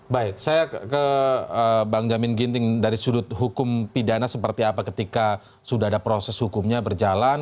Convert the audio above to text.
baik saya ke bang jamin ginting dari sudut hukum pidana seperti apa ketika sudah ada proses hukumnya berjalan